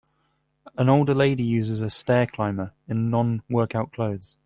An older lady uses a Stair Climber in nonwork out clothes.